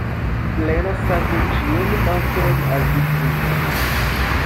Plena sako ĉiun mastron al vi klinos.